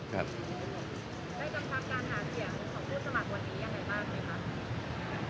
ได้กันความการหาเสี่ยงของผู้สนับวันนี้ยังไงบ้างไหมครับ